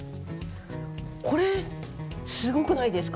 これすごくないですか？